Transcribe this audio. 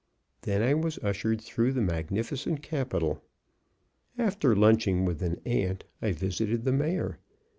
Then I was ushered through the magnificent capitol. After lunching with an aunt, I visited the Mayor.